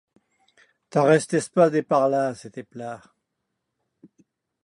Non dèishes de parlar, se te platz!